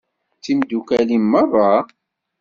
D timdukal-im merra?